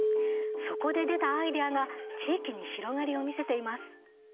そこで出たアイデアが地域に広がりを見せています。